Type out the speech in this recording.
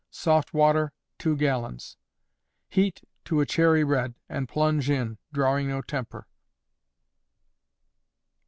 soft water, 2 gallons. Heat to a cherry red, and plunge in, drawing no temper.